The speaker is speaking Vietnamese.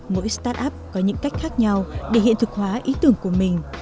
mỗi start up có những cách khác nhau để hiện thực hóa ý tưởng của mình